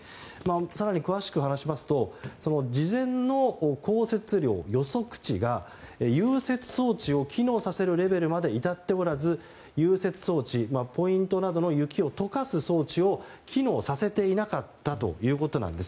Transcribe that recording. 更に、詳しく話しますと事前の降雪量・予測値が融雪装置を機能させるレベルまで至っておらず、融雪装置ポイントなどの雪を解かす装置を機能させていなかったということなんです。